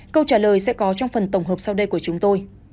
câu trả lời sẽ có trong phần tổng hợp sau đây của chúng tôi